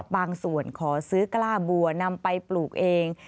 บางส่วนขอซื้อกล้าบัวนำไปปลูกเอง